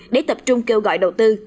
để tập trung kêu gọi đầu tư